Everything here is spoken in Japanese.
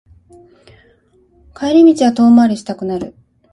帰り道は遠回りしたくなる